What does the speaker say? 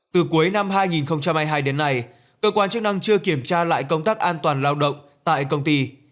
từ cuối năm hai nghìn hai mươi hai đến nay cơ quan chức năng chưa kiểm tra lại công tác an toàn lao động tại công ty